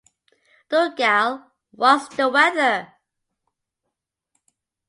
Dougal, what's the weather?